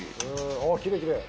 おきれいきれい。